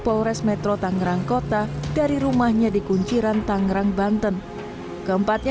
polres metro tangerang kota dari rumahnya di kunciran tangerang banten keempatnya